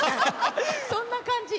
そんな感じ。